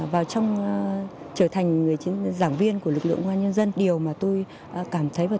và trong trở thành giảng viên của lực lượng công an nhân dân